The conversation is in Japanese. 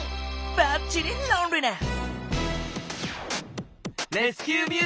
ばっちりロンリネース！